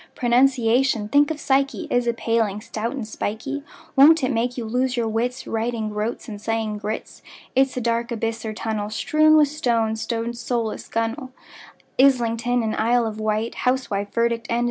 Pronunciation—think of psyche!— Is a paling, stout and spikey; Won't it make you lose your wits, Writing "groats" and saying groats? It's a dark abyss or tunnel, Strewn with stones, like rowlock, gunwale, Islington and Isle of Wight, Housewife, verdict and indict!